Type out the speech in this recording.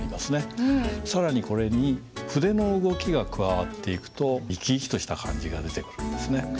更にこれに筆の動きが加わっていくと生き生きとした感じが出てくるんですね。